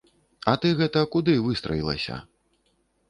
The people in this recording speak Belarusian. А ты гэта куды выстраілася?